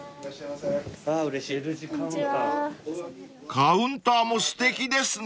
［カウンターもすてきですね］